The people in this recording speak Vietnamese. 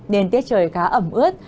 nên tiết trời khá ẩm ướt